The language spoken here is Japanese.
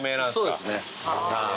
そうですね。